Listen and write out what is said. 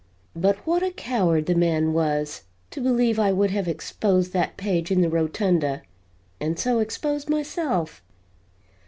"But what a coward the man was, to believe I would have exposed that page in the rotunda, and so exposed myself.